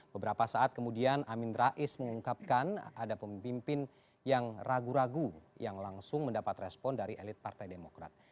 beberapa saat kemudian amin rais mengungkapkan ada pemimpin yang ragu ragu yang langsung mendapat respon dari elit partai demokrat